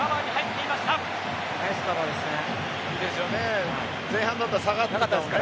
いいですよね。